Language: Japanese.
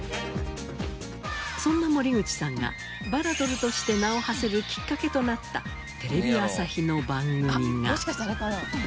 そんな森口さんがバラドルとして名を馳せるきっかけとなったテレビ朝日の番組が。